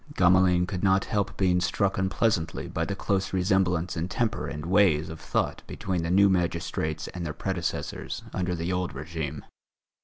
Gamelin could not help being struck unpleasantly by the close resemblance in temper and ways of thought between the new magistrates and their predecessors under the old régime.